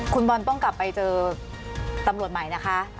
คุณบอลต้องกลับไปเจอตำรวจใหม่นะคะ